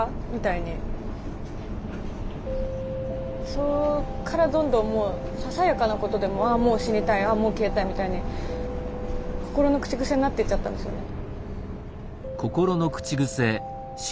そこからどんどんささやかなことでももう死にたいもう消えたいみたいに心の口癖になっていっちゃったんですよね。